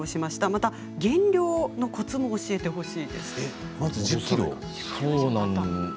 また減量のコツも教えてほしいです。